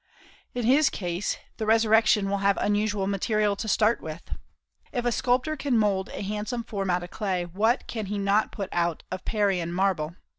In his case the resurrection will have unusual material to start with. If a sculptor can mould a handsome form out of clay, what can he not put out of Parian marble?